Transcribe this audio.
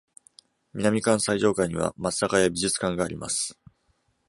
南館最上階には松坂屋美術館があります。